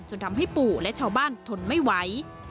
ทำให้ปู่และชาวบ้านทนไม่ไหว